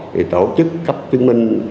thì tổ chức cấp chứng minh